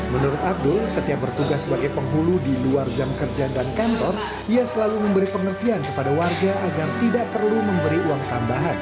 menurut abdul setiap bertugas sebagai penghulu di luar jam kerja dan kantor ia selalu memberi pengertian kepada warga agar tidak perlu memberi uang tambahan